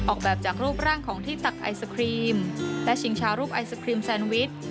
ออกแบบจากรูปร่างของที่ตักไอศครีมและชิงชารูปไอศครีมแซนวิช